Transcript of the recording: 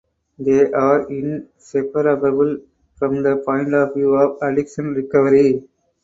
They are inseparable from the point of view of addiction recovery.